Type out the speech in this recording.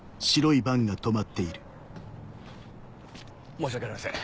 申し訳ありません。